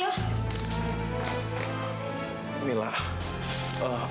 kamilah mau bicara sama fadil